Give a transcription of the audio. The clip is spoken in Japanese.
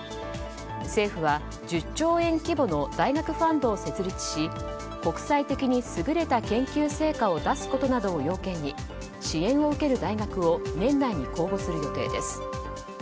政府は１０兆円規模の大学ファンドを設立し国際的に優れた研究成果を出すことなどを要件に支援を受ける大学を年内に公募する予定です。